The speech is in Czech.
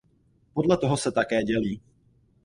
Podle toho se také dělí.